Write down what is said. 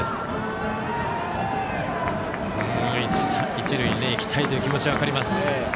一塁に行きたいという気持ちは分かります。